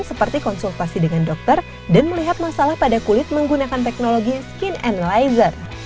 seperti konsultasi dengan dokter dan melihat masalah pada kulit menggunakan teknologi skin annilizer